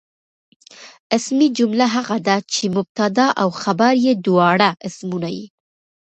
اسمي جمله هغه ده، چي مبتدا او خبر ئې دواړه اسمونه يي.